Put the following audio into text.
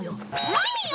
何よ！